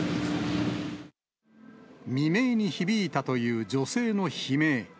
未明に響いたという女性の悲鳴。